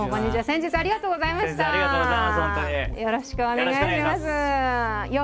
先日はありがとうございます本当に。